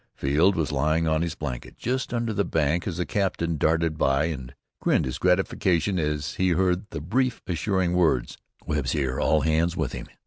Field was lying on his blanket, just under the bank, as the captain darted by, and grinned his gratification as he heard the brief, assuring words: "Webb's here all hands with him."